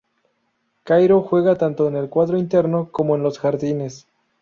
Cairo juega tanto en el cuadro interno como en los jardines.